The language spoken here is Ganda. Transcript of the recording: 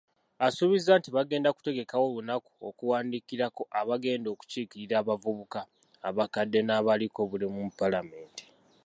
Asuubizza nti bagenda kutegekawo olunaku okuwandiikirako abagenda okukiikirira abavubuka, abakadde, n'abaliko obulemu mu palamenti.